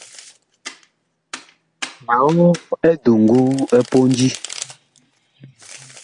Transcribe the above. Ma og eduŋgu ɛ pondi.